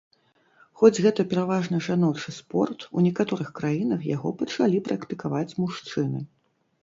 Хоць гэта пераважна жаночы спорт, у некаторых краінах яго пачалі практыкаваць мужчыны.